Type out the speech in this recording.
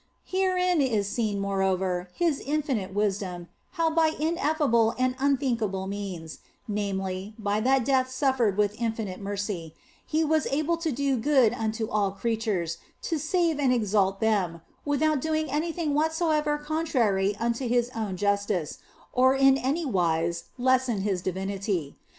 Herein is seen, moreover, His in finite wisdom, how by ineffable and unthinkable means (namely, by that death suffered with infinite mercy), He was able to do good unto all creatures, to save and exalt them, without doing anything whatsoever contrary unto His own justice, or in any wise lessening His divinity.